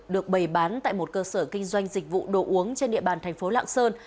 được bày bán tại một cơ sở kinh doanh dịch vụ đồ uống trên địa bàn thành phố lạng sơn